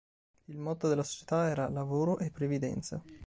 Il motto della società era “lavoro e previdenza”.